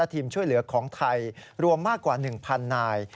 ทีมช่วยเหลือของไทยรวมมากกว่า๑๐๐นาย